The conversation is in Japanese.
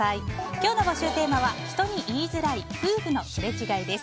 今日の募集テーマは人に言いづらい夫婦のスレ違いです。